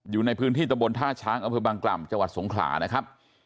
อยู่ในพื้นที่ตะบนท่าช้างอำเภอบางกล่ำจังหวัดสงขลานะครับ